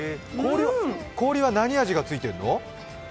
氷は何味がついてんの？